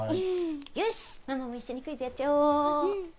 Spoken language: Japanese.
よし、ママも一緒にクイズやっちゃおう！